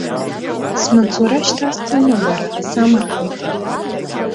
Смаҵура шьҭасҵама, бара, самырхитеи.